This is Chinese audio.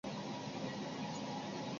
肌肉龙属是种原始阿贝力龙科恐龙。